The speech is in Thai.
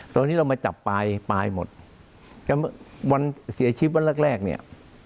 ตอนนี้เรามาจับปลายปลายหมดแล้ววันเสียชีวิตวันแรกแรกเนี่ย